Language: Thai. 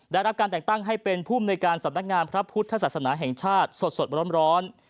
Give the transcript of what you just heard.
ได้รับการแต่งตั้งให้เป็นภูมิในการสำนักงานพระพุทธศาสนาแห่งชาติสดร้อน